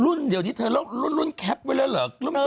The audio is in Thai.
รุ่นเดี๋ยวนี้เธอรุ่นรุ่นแคปไว้แล้วหรือ